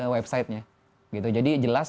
website nya jadi jelas